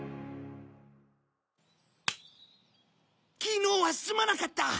昨日はすまなかった！